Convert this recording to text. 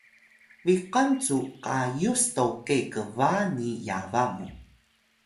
biqan cu qayus toke qba ni yaba mu